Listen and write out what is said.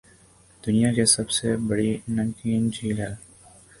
دنیاکی سب سے بڑی نمکین جھیل ہے